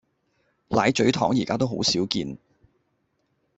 奶咀糖而家都好少見